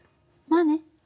まあね。